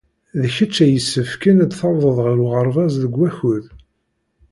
D kecc ay yessefken ad d-tawḍed ɣer uɣerbaz deg wakud.